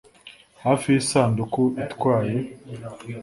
hafi y'isanduku itwaye